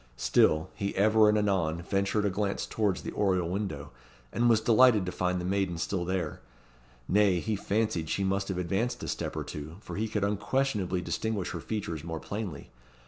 Still, he ever and anon ventured a glance towards the oriel window, and was delighted to find the maiden still there, nay, he fancied she must have advanced a step or two, for he could unquestionably distinguish her features more plainly.